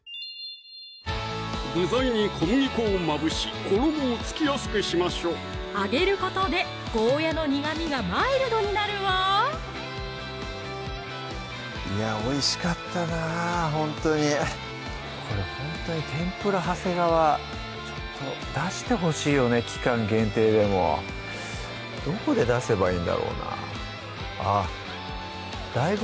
具材に小麦粉をまぶし衣をつきやすくしましょう揚げることでゴーヤの苦みがマイルドになるわいやおいしかったなほんとにこれほんとに天ぷら長谷川出してほしいよね期間限定でもどこで出せばいいんだろうなあっ